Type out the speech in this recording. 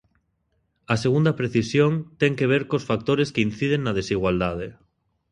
A segunda precisión ten que ver cos factores que inciden na desigualdade.